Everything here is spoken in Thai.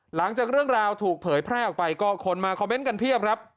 หลังจากเรื่องราวถูกเผยแพร่ออกไปก็คนมาคอมเมนต์กันเพียบครับ